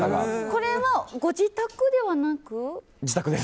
これはご自宅ではなく？